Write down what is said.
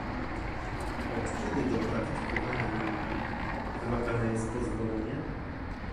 Od kiedy do praktykowania religii wymagane jest pozwolenie?